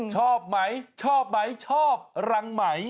ชอบไหมชอบไหมชอบรังไหม